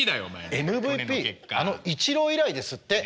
ＭＶＰあのイチロー以来ですって。